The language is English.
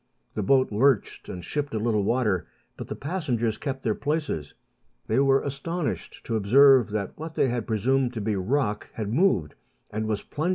The boat lurched and shipped a little water, but the passengers kept their places. They were astonished to observe that what they had presumed to be rock had moved, and was plunging